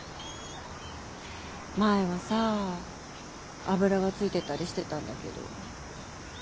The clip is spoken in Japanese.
前はさ油がついてたりしてたんだけど。